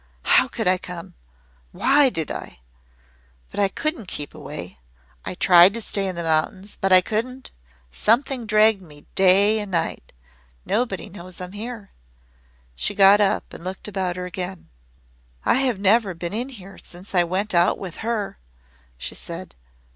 How could I come! Why did I! But I couldn't keep away! I tried to stay in the mountains. But I couldn't. Something dragged me day and night. Nobody knows I am here!" She got up and looked about her again. "I have never been in here since I went out with HER," she said.